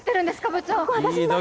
部長！